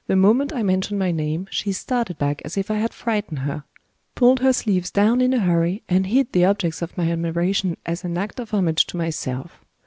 The moment mentioned my name, she started back as if I had frightened her pulled her sleeves down in a hurry and hid the objects of my admiration as an act of homage to myself!